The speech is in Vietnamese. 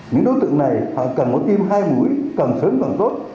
những đối tượng này họ cần có tim hai mũi cần sớm cần tốt